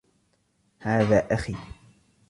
هذا أخي.